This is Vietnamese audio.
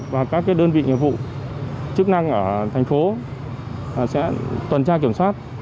và các đơn vị nghiệp vụ chức năng ở thành phố sẽ tuần tra kiểm soát